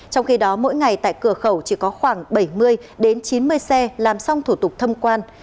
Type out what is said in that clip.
trong khi đó mỗi ngày tại cửa khẩu chỉ có khoảng bảy mươi chín mươi xe làm xong thủ tục thông quan